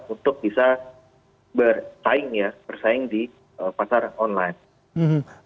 untuk bisa bersaing di pasar online